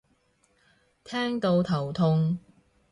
聽到頭痛